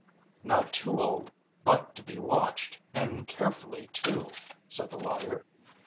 "Not too old but to be watched, and carefully, too," said the lawyer.